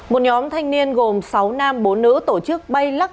một nhóm thanh niên gồm sáu nam bốn nữ tổ chức bay lắc